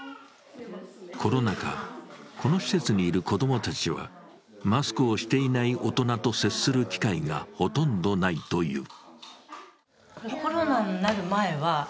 コロナ禍、この施設にいる子供たちはマスクをしていない大人と接する機会がほとんどないという。